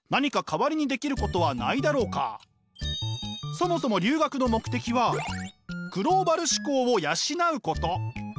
そもそも留学の目的はグローバル思考を養うこと。